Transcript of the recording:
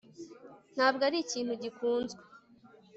ntabwo ari ikintu gikunzwe